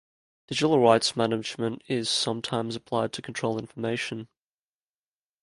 Digital rights management is sometimes applied to control information.